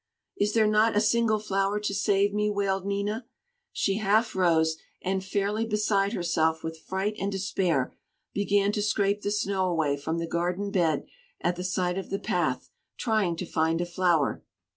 "Is there not a single flower to save me?" wailed Nina. She half rose, and, fairly beside herself with fright and despair, began to scrape the snow away from the garden bed at the side of the path, trying to find a flower.